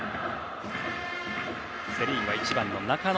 セ・リーグは１番の中野。